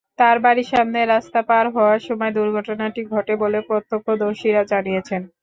তাঁর বাড়ির সামনে রাস্তা পার হওয়ার সময় দুর্ঘটনাটি ঘটে বলে প্রত্যক্ষদর্শীরা জানিয়েছেন।